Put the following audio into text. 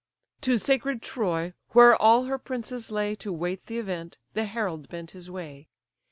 To sacred Troy, where all her princes lay To wait the event, the herald bent his way.